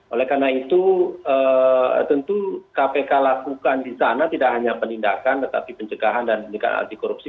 oleh karena itu tentu kpk lakukan di sana tidak hanya penindakan tetapi pencegahan dan penindakan anti korupsi